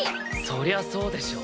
そりゃそうでしょ。